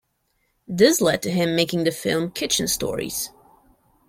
This led to him making the film "Kitchen Stories".